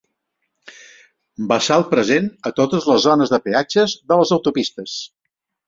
Bassal present a totes les zones de peatges de les autopistes.